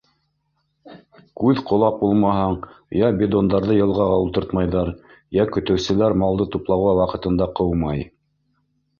Күҙ-ҡолаҡ булмаһаң, йә бидондарҙы йылғаға ултыртмайҙар, йә көтөүселәр малды туплауға ваҡытында ҡыумай.